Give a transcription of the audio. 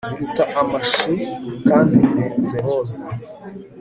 Biruta amashu kandi birenze roza